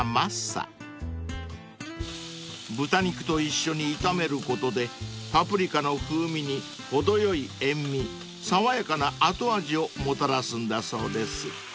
［豚肉と一緒に炒めることでパプリカの風味に程よい塩味爽やかな後味をもたらすんだそうです］